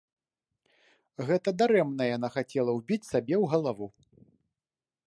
Гэта дарэмна яна хацела ўбіць сабе ў галаву.